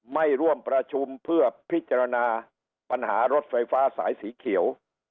ไม่ร่วมประชุมเพื่อพิจารณาปัญหารถไฟฟ้าสายสีเขียว